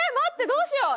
どうしよう？